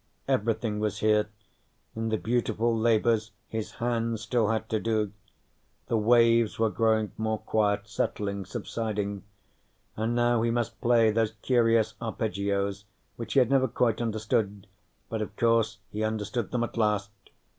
Everything was here, in the beautiful labors his hands still had to do. The waves were growing more quiet, settling, subsiding, and now he must play those curious arpeggios which he had never quite understood but, of course, he understood them at last.